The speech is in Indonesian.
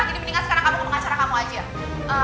mendingan sekarang kamu ke pengacara kamu aja